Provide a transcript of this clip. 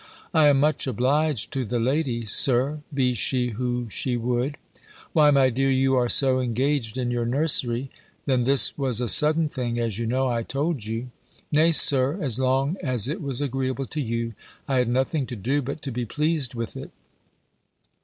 "I am much obliged to the lady, Sir, be she who she would." "Why, my dear, you are so engaged in your nursery! Then this was a sudden thing; as you know I told you." "Nay, Sir, as long as it was agreeable to you, I had nothing to do, but to be pleased with it."